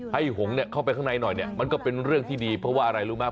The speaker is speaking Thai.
หงษ์เข้าไปข้างในหน่อยเนี่ยมันก็เป็นเรื่องที่ดีเพราะว่าอะไรรู้ไหม